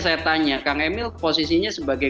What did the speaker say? saya tanya kang emil posisinya sebagai